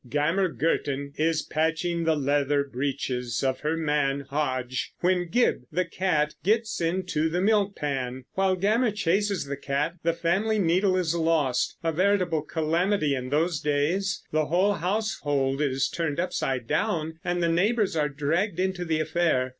Gammer Gurton is patching the leather breeches of her man Hodge, when Gib, the cat, gets into the milk pan. While Gammer chases the cat the family needle is lost, a veritable calamity in those days. The whole household is turned upside down, and the neighbors are dragged into the affair.